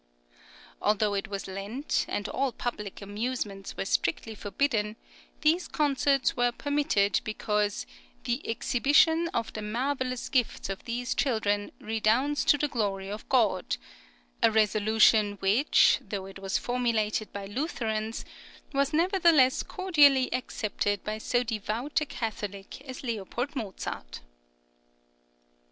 Although it was Lent, and all public amusements were strictly forbidden, these concerts were permitted because the "exhibition of the marvellous gifts of these children redounds to the glory of God," a resolution which, though it was formulated by Lutherans, was nevertheless cordially accepted by so devout a Catholic as L. Mozart.